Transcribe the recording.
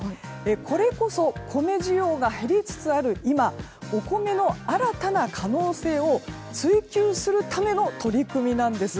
これこそ米需要が減りつつある今お米の新たな可能性を追求するための取り組みなんです。